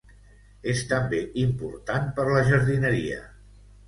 És també important per la jardineria.